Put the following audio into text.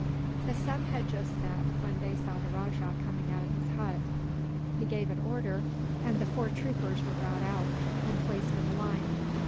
The sun had just set, when they saw the rajah come out of his hut. He gave an order, and the four troopers were brought out, and placed in a line.